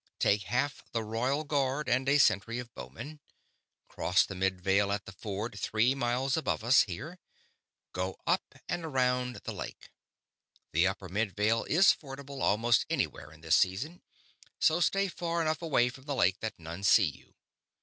Take half the Royal Guard and a century of bowmen. Cross the Midvale at the ford three miles above us here. Go up and around the lake. The Upper Midvale is fordable almost anywhere at this season, so stay far enough away from the lake that none see you.